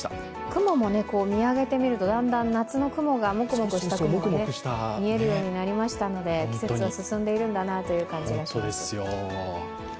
雲も見上げてみるとだんだん夏の雲が、もくもくした雲が見えるようになりましたので季節は進んでるんだなという感じです。